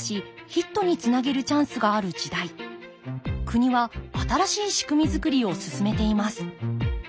国は新しい仕組み作りを進めています。